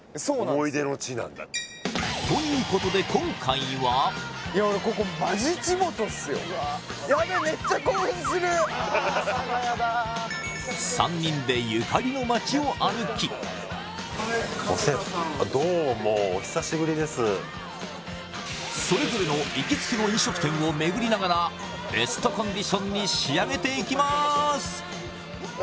思い出の地なんだということで阿佐ヶ谷だ３人でゆかりの街を歩きそれぞれの行きつけの飲食店を巡りながらベストコンディションに仕上げていきます